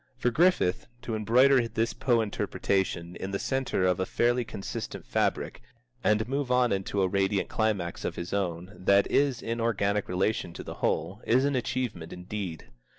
For Griffith to embroider this Poe Interpretation in the centre of a fairly consistent fabric, and move on into a radiant climax of his own that is in organic relation to the whole, is an achievement indeed.